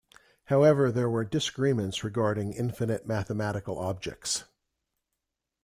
However there were disagreements regarding infinite mathematical objects.